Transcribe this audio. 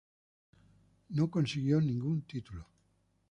No consiguió ningún título.